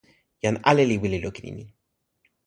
jan ale li wile lukin e ni.